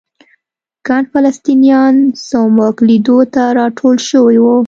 ګڼ فلسطینیان زموږ لیدو ته راټول شوي وو.